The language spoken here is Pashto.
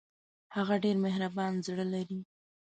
هغه ډېر مهربان زړه لري